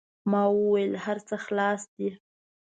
ما و ویل: هر څه خلاص دي.